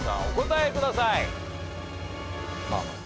お答えください。